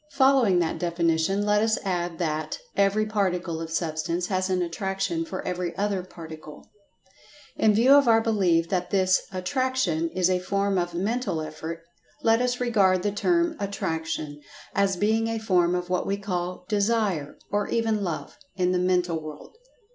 Following that definition, let us add that: Every particle of Substance has an attraction for every other particle. In view of our belief that this "attraction" is a form of mental effort, let us regard the term "Attraction" as being a form of what we call "Desire," or even "Love," in the mental world.